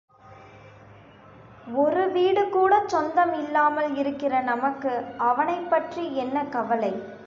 ஒரு வீடுகூடச் சொந்தம் இல்லாமல் இருக்கிற நமக்கு அவனைப் பற்றி என்ன கவலை?